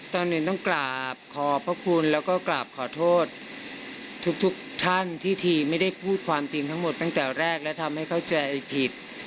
ก่อนอื่นต้องกราบขอบพระคุณแล้วก็กราบขอโทษทุกท่านที่ทีไม่ได้พูดความจริงทั้งหมดตั้งแต่แรกและทำให้เข้าใจผิด